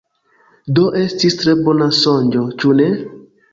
Do estis tre bona sonĝo, ĉu ne?